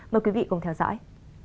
mời quý vị cùng theo dõi